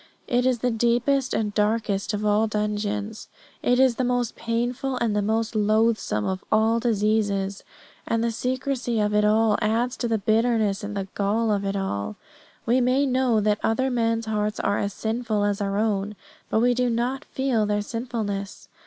It is the deepest and darkest of all dungeons. It is the most painful and the most loathsome of all diseases. And the secrecy of it all adds to the bitterness and the gall of it all. We may know that other men's hearts are as sinful as our own, but we do not feel their sinfulness.